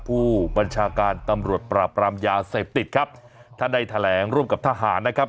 ผู้บัญชาการตำรวจปราบรามยาเสพติดครับท่านได้แถลงร่วมกับทหารนะครับ